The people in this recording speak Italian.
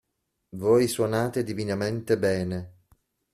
Voi suonate divinamente bene.